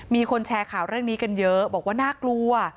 มีคนแชร์ข่าวเรื่องนี้กันเยอะบอกว่าน่ากลัว